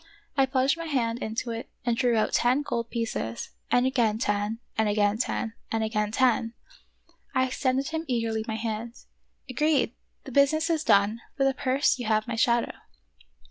I plunged my hand into it and drew out ten gold pieces, and again ten, and again ten, and again ten.. I extended him eagerly my hand. "Agreed ! the business is done; for the purse you have my shadow